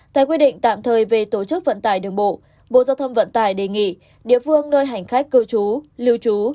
tại quy định tạm thời về tổ chức vận tải đường bộ bộ giao thông vận tải đề nghị địa phương nơi hành khách cư trú lưu trú